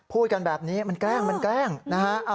พูดกันแบบนี้มันแกล้งนะฮะ